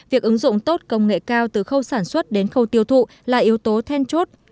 việc ứng dụng tốt công nghệ cao từ khâu sản xuất đến khâu tiêu thụ là yếu tố then chốt